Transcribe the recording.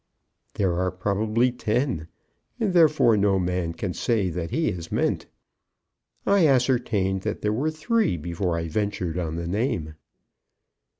"There are probably ten, and therefore no man can say that he is meant. I ascertained that there were three before I ventured on the name."